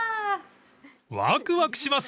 ［ワクワクします。